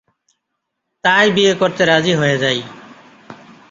তাই বিয়ে করতে রাজী হয়ে যাই।